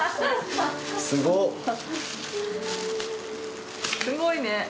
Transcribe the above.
すごいね。